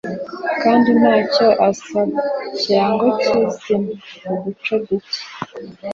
kandi ntacyo isaba, ikirango cyizina, uduce duke